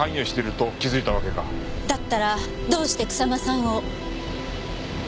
だったらどうして草間さんを。